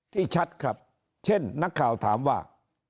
ชัดครับเช่นนักข่าวถามว่า